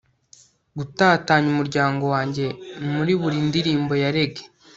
gutatanya umuryango wanjye?muri buri ndirimbo ya rege